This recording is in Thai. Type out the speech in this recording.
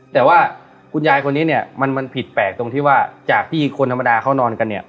แต่ว่าคุณยายคนนี้เนี่ยมันผิดแปลกตรงที่ว่าจากที่คนธรรมดาเขานอนกันเนี่ย